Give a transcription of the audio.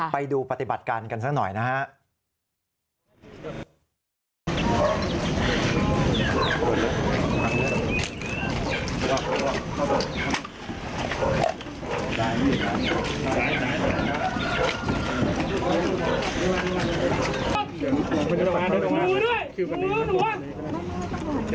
ไปดูปฏิบัติการกันซะหน่อยนะครับ